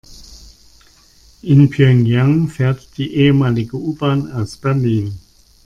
In Pjöngjang fährt die ehemalige U-Bahn aus Berlin.